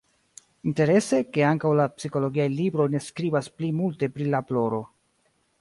Interese, ke ankaŭ la psikologiaj libroj ne skribas pli multe pri la ploro.